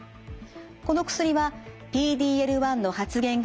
この薬はＰＤ−Ｌ１の発現が高い